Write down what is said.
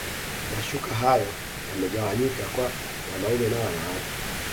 mashuka hayo yamegawanyika kwa wanaume na wanawake